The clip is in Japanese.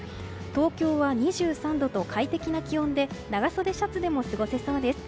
東京は２３度と快適な気温で長袖シャツでも過ごせそうです。